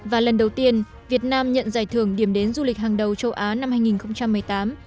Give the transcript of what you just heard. và lần đầu tiên việt nam nhận giải thưởng điểm đến du lịch hàng đầu châu á năm hai nghìn một mươi tám